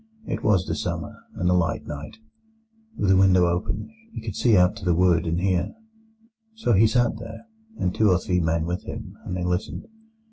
It was the summer, and a light night. With the window open, he could see out to the wood, and hear. "So he sat there, and two or three men with him, and they listened.